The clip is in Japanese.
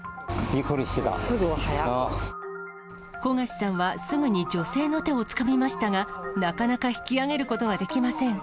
木焦さんは、すぐに女性の手をつかみましたが、なかなか引き上げることはできません。